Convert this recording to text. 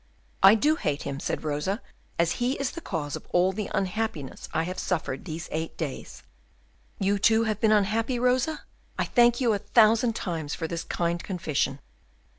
"I do hate him," said Rosa, "as he is the cause of all the unhappiness I have suffered these eight days." "You, too, have been unhappy, Rosa? I thank you a thousand times for this kind confession."